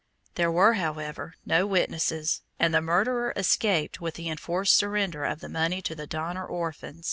There were, however, no witnesses, and the murderer escaped with the enforced surrender of the money to the Donner orphans.